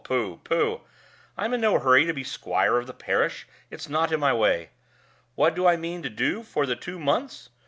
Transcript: Oh, pooh! pooh! I'm in no hurry to be squire of the parish; it's not in my way. What do I mean to do for the two months?